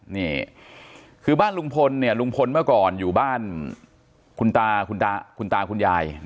นี่คือบ้านลุงพลเนี่ยลุงพลเมื่อก่อนอยู่บ้านคุณตาคุณตาคุณยาย